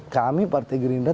kami partai gerindra